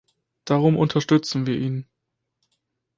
Darum unterstützen wir ihn.